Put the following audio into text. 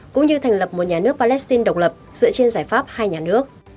cũng như thành lập một nhà nước palestine độc lập dựa trên giải pháp hai nhà nước